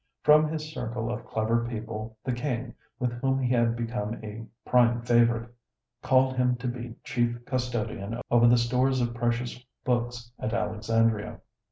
From his circle of clever people, the king, with whom he had become a prime favorite, called him to be chief custodian over the stores of precious books at Alexandria.